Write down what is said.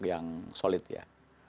yang solid ya